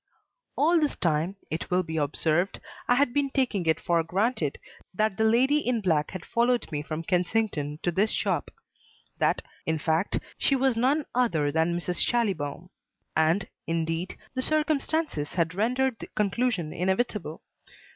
All this time, it will be observed, I had been taking it for granted that the lady in black had followed me from Kensington to this shop; that, in fact, she was none other than Mrs. Schallibaum. And, indeed, the circumstances had rendered the conclusion inevitable.